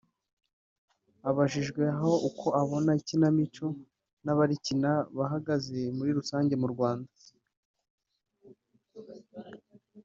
Abajijwe aho uko abona ikinamico n’abarikina bahagaze muri rusange mu Rwanda